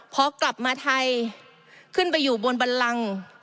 พอกลับมาไทยขึ้นไปอยู่บนบันลัง